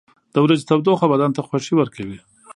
• د ورځې تودوخه بدن ته خوښي ورکوي.